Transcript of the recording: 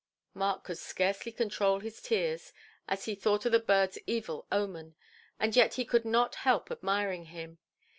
Mark could scarcely control his tears, as he thought of the birdʼs evil omen, and yet he could not help admiring him.